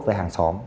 với hàng xóm